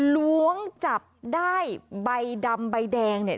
ล้วงจับได้ใบดำใบแดงเนี่ย